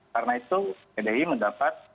karena itu pdi mendapat